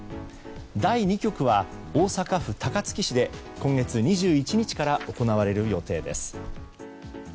第２局は大阪府高槻市で今月２１日から行われる予定です。